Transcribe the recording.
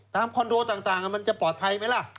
คอนโดต่างมันจะปลอดภัยไหมล่ะ